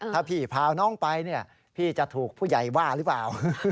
ถ้าพี่พาน้องไปเนี่ยพี่จะถูกผู้ใหญ่ว่าหรือเปล่า